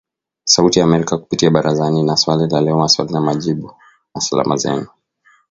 Sauti ya Amerika kupitia Barazani na Swali la Leo Maswali na Majibu, na Salamu Zenu